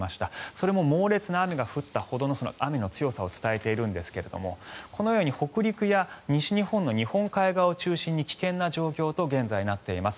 それも猛烈な雨が降ったほどの雨の強さを伝えているんですがこのように北陸や西日本の日本海側を中心に危険な状況と現在なっています。